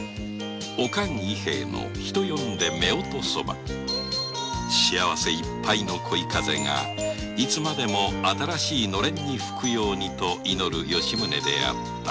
おかん伊平の人呼んで「夫婦ソバ」「幸せいっぱいの恋風がいつまでも新しいノレンに吹くように」と祈る吉宗であった